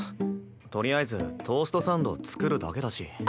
とりあえずトーストサンド作るだけだし。